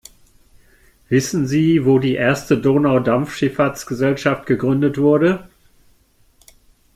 Wissen Sie, wo die erste Donaudampfschifffahrtsgesellschaft gegründet wurde?